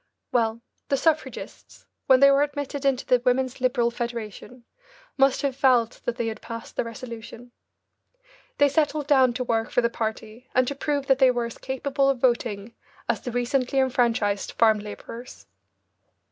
Well, the suffragists, when they were admitted into the Women's Liberal Federation must have felt that they had passed their resolution. They settled down to work for the party and to prove that they were as capable of voting as the recently enfranchised farm labourers.